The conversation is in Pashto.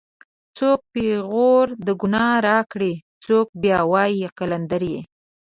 څوک پېغور د گناه راکړي څوک بیا وایي قلندرې